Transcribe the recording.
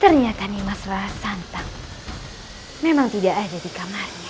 ternyata nimas rarasanta memang tidak ada di kamarnya